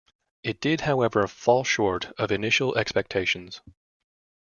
It did however fall short of initial expectations.